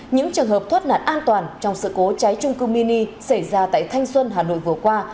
những trường hợp thoát nạn an toàn trong sự cố cháy trung cư mini xảy ra tại thanh xuân hà nội vừa qua